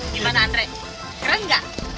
gimana andre keren nggak